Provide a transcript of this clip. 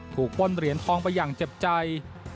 ป้นเหรียญทองไปอย่างเจ็บใจ